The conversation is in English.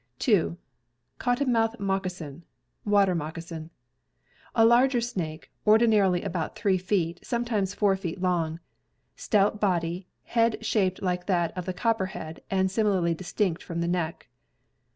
2. Cottonviouth moccasin (water moccasin). A larger snake, ordinarily about 3 ft., sometimes 4 ft. long. Stout body, head shaped like that of the copperhead and similarly distinct from the neck.